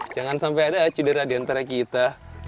jangan sampai ada cedera diantara kita